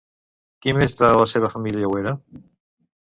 Qui més de la seva família ho era?